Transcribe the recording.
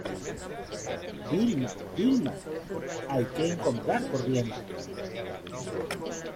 Vilma, Vilma... hay que encontrar corriente .